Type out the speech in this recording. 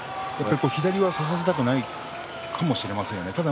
左は差させたくないかもしれません。